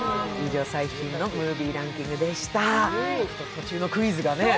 途中のクイズがねぇ。